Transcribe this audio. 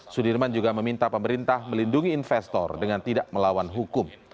sudirman juga meminta pemerintah melindungi investor dengan tidak melawan hukum